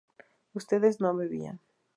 ustedes no bebían